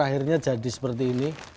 akhirnya jadi seperti ini